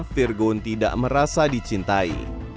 virgon tidak merasa dicintai